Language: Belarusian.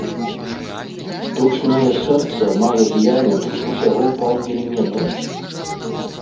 Штучнае сэрца мае дыяметр усяго паўміліметра.